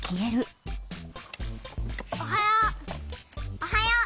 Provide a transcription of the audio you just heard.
おはよう。